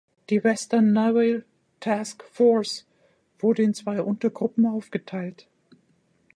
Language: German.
Die Western Naval Task Force wurde in zwei Untergruppen aufgeteilt.